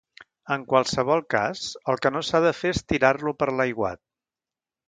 En qualsevol cas el que no s'ha de fer és tirar-lo per l'aiguat.